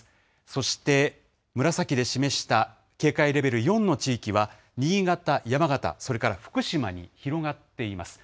そして紫で示した、警戒レベル４の地域は、新潟、山形、それから福島に広がっています。